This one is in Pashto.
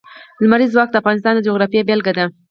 لمریز ځواک د افغانستان د جغرافیې بېلګه ده.